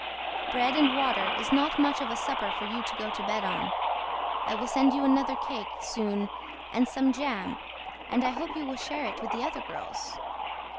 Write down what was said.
BREAD AND WATER IS NOT MUCH OF A SUPPER FOR YOU TO GO TO BED ON. I WILL SEND YOU ANOTHER CAKE SOON AND SOME JAM AND I HOPE YOU WILL SHARE IT WITH THE OTHER GIRLS.